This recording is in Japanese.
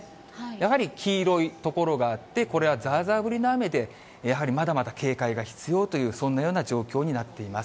やはり黄色い所があって、これはざーざー降りの雨で、やはり、まだまだ警戒が必要という、そんなような状況になっています。